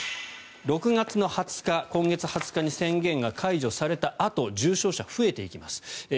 ６月２０日に宣言が解除されたあと重症者は増えていきます。